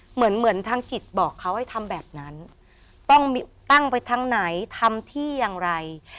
เหมือนเหมือนทางสิทธิ์บอกเขาให้ทำแบบนั้นต้องตั้งไปทางไหนทำที่อย่างไร